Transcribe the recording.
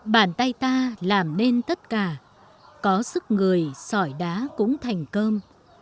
bàn tay ta làm nên tất cả có sức người sỏi đá cũng thành cơm